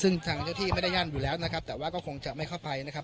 ซึ่งทางเจ้าที่ไม่ได้ยั่นอยู่แล้วนะครับแต่ว่าก็คงจะไม่เข้าไปนะครับ